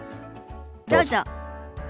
どうぞ。